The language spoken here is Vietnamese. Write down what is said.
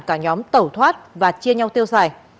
cả nhóm tẩu thoát và chia nhau tiêu xài